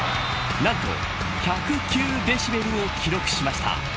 なんと、１０９デシベルを記録しました。